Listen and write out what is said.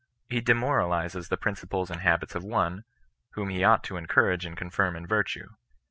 He demoralizes the principles and habits of one, whom he ought to encourage and confirm in virtue.